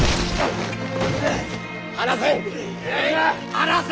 離せ！